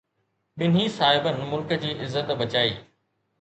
ٻنهي صاحبن ملڪ جي عزت بچائي.